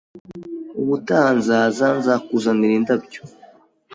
Ubutaha nzaza, nzakuzanira indabyo.